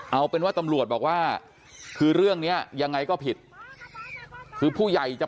เอาเป็นว่าตำรวจบอกว่าคือเรื่องเนี้ยยังไงก็ผิดคือผู้ใหญ่จะ